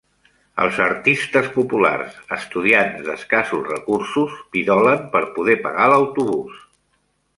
Els artistes populars, estudiants d'escassos recursos, pidolen per poder pagar l'autobús.